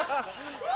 うわ！